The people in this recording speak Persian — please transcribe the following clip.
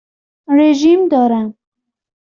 رژیم دارم.